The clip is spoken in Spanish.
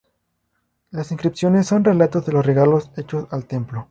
Las inscripciones son relatos de los regalos hechos al templo.